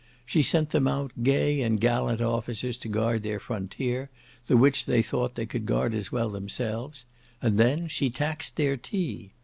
She sent them out gay and gallant officers to guard their frontier; the which they thought they could guard as well themselves; and then she taxed their tea.